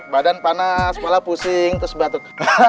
badan panas malah pusing terus batuk